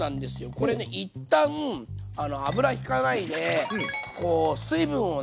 これね一旦油ひかないでこう水分をね